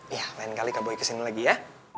ya lain kali kak boy kesini lagi ya